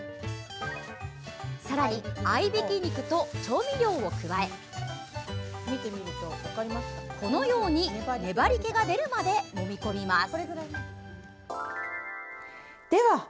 さらに合いびき肉と調味料を加えこのように粘りけが出るまでもみ込みます。